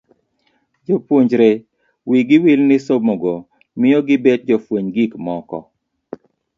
Jopuonjre wi gi wil ni somo go miyo gibet jofweny gik moko.